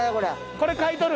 これ買取る。